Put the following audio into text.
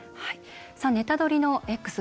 「ネタドリ！」のＸ